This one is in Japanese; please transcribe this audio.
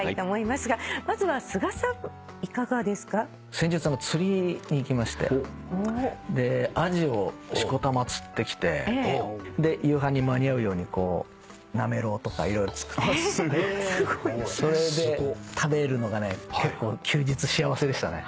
先日釣りに行きましてアジをしこたま釣ってきて夕飯に間に合うようにこうなめろうとか色々作ってそれで食べるのがね結構休日幸せでしたね。